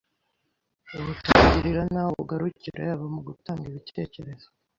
butangirira n’aho bugarukira yaba mu gutanga ibitekerezo,